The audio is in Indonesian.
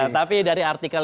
tapi dari artikel